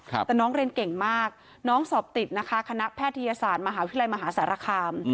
แต่น้องเรียนเก่งมากน้องสอบติดนะคะคณะแพทยศาสตร์มหาวิทยาลัยมหาสารคาม